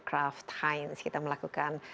kraft heinz kita melakukan